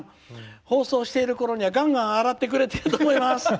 「放送してるころにはがんがん洗ってくれていると思います。